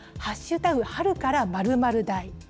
春から○○大。